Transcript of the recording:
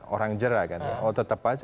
orang jerah kan tetap aja